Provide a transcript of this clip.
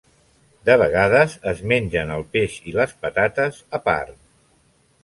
De vegades es mengen el peix i les patates a part.